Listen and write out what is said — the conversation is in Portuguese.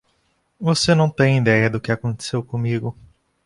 Você não tem idéia do que aconteceu comigo.